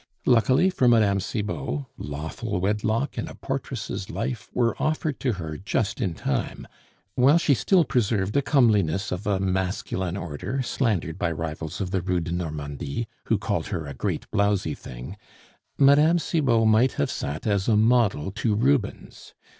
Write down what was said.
Luckily for Mme. Cibot, lawful wedlock and a portress' life were offered to her just in time; while she still preserved a comeliness of a masculine order slandered by rivals of the Rue de Normandie, who called her "a great blowsy thing," Mme. Cibot might have sat as a model to Rubens.